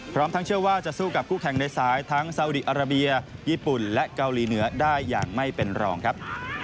พร้อมทั้งเชื่อว่าจะสู้กับคู่แข่งในสายทั้งซาอุดีอาราเบียญี่ปุ่นและเกาหลีเหนือได้อย่างไม่เป็นรองครับ